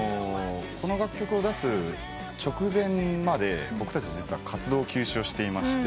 この楽曲を出す直前まで僕たち実は活動休止をしていまして。